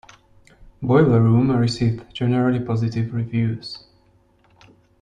"Boiler Room" received generally positive reviews.